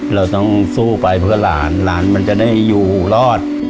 เราต้องสู้ไปเพื่อหลานหลานมันจะได้อยู่รอด